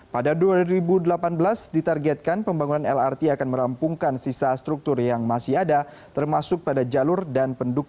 pada dua ribu delapan belas ditargetkan pembangunan lrt akan merampungkan sisa struktur yang masih ada termasuk pada jalur dan pendukung